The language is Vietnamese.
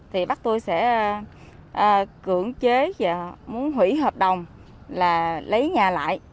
thì bắt tôi sẽ cưỡng chế và muốn hủy hợp đồng là lấy nhà lại